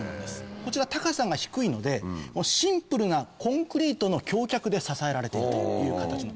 こちら高さが低いのでシンプルなコンクリートの橋脚で支えられているという形。